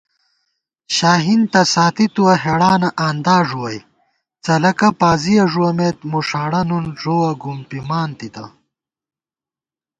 شاہین تہ ساتِی تُوَہ ہېڑانہ آندا ݫُوَئی څلَکہ پازِیَہ ݫُوَمېت مُݭاڑہ نُن ݫُووَہ گُمپِمان تِتہ